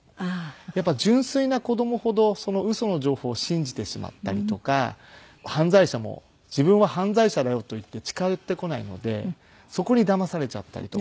やっぱり純粋な子供ほどそのウソの情報を信じてしまったりとか犯罪者も「自分は犯罪者だよ」と言って近寄ってこないのでそこにだまされちゃったりとか。